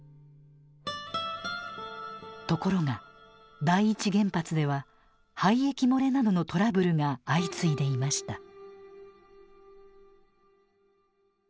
ところが第一原発では廃液漏れなどのトラブルが相次いでいました。